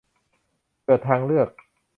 เกิดทางเลือก